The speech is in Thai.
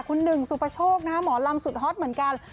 คุณหนึ่งสุปโชคนะฮะหมอลำสุดฮอตเหมือนกัน